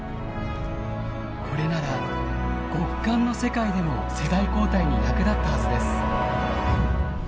これなら極寒の世界でも世代交代に役立ったはずです。